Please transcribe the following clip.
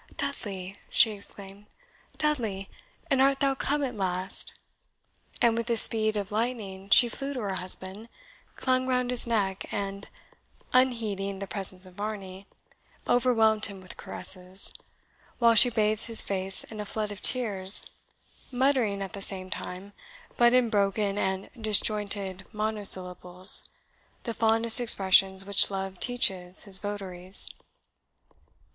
"Dudley!" she exclaimed, "Dudley! and art thou come at last?" And with the speed of lightning she flew to her husband, clung round his neck, and unheeding the presence of Varney, overwhelmed him with caresses, while she bathed his face in a flood of tears, muttering, at the same time, but in broken and disjointed monosyllables, the fondest expressions which Love teaches his votaries.